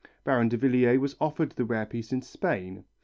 Baron Davillier was offered the rare piece in Spain.